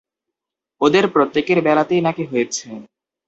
ওদের প্রত্যেকের বেলাতেই নাকি হয়েছে।